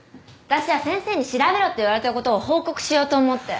私は先生に調べろって言われたことを報告しようと思って。